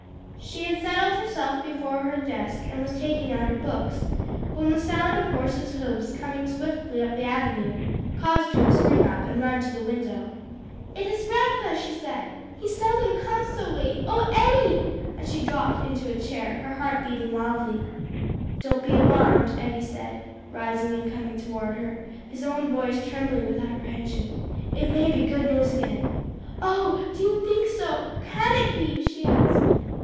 She had settled herself before her desk, and was taking out her books, when the sound of horses' hoofs coming swiftly up the avenue, caused her to spring up and run to the window. "It is grandpa," she said. "He seldom comes so late, oh, Eddie!" and she dropped into a chair, her heart beating wildly. "Don't be alarmed," Eddie said, rising and coming toward her, his own voice trembling with apprehension, "it may be good news again." "Oh, do you think so? Can it be?" she asked.